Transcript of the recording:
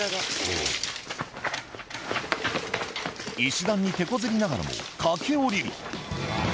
石段にてこずりながらも駆け下りる。